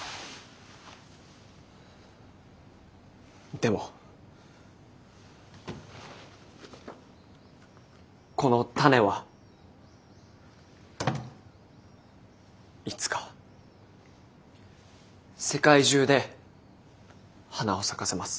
でもこの種はいつか世界中で花を咲かせます。